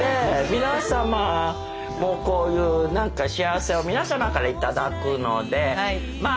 皆様もこういうなんか幸せを皆様から頂くのでまあ